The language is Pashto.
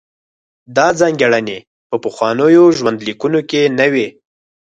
دا ځانګړنې په پخوانیو ژوندلیکونو کې نه وې.